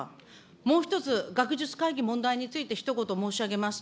もう一つ、学術会議問題についてひと言申し上げます。